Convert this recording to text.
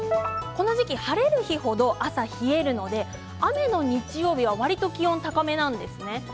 この時期晴れる日程朝冷えるので雨の日曜日、わりと気温高めなんですね。